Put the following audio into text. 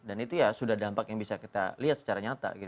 dan itu ya sudah dampak yang bisa kita lihat secara nyata